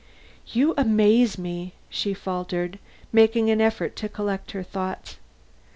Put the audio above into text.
"You amaze me!" she faltered, making an effort to collect her thoughts.